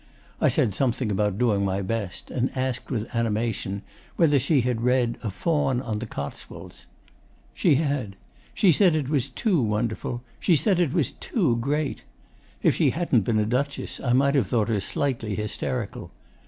I said something about doing my best, and asked with animation whether she had read "A Faun on the Cotswolds." She had. She said it was TOO wonderful, she said it was TOO great. If she hadn't been a Duchess, I might have thought her slightly hysterical.